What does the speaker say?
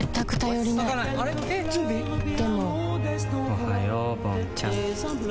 おはようぼんちゃん。